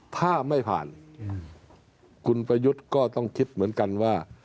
ถ้าไม่ผ่านคุณประยุทธ์ก็ต้องคิดเหมือนกันว่า